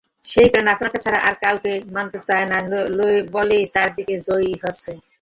সেই প্রাণ আপনাকে ছাড়া আর-কাউকে মানতে চায় না বলেই চার দিকে জয়ী হচ্ছে।